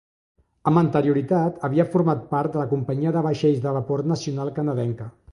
Amb anterioritat havia format part de la Companyia de Vaixells de Vapor Nacional Canadenca.